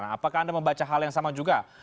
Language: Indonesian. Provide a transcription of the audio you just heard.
apakah anda membaca hal yang sama juga